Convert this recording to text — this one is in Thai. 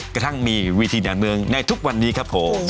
กระทั่งมีวิธีด่านเมืองในทุกวันนี้ครับผม